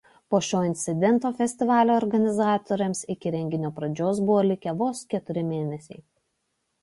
Po šio incidento festivalio organizatoriams iki renginio pradžios buvo likę vos keturi mėnesiai.